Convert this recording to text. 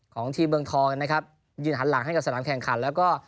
ของทีมเมืองทองนะครับยืนหันหลังให้กับสนามแข่งขันแล้วก็